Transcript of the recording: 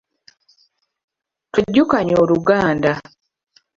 Twejjukanye Oluganda.